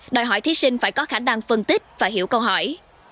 đòi hỏi thí sinh phải có khả năng phân tích và hiểu câu hỏi